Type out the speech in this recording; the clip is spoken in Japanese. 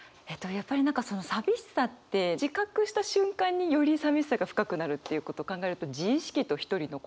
やっぱり何かその寂しさって自覚した瞬間により寂しさが深くなるっていうことを考えると自意識と一人残されたとか。